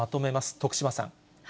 徳島さん。